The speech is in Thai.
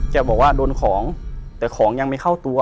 บอกว่าโดนของแต่ของยังไม่เข้าตัว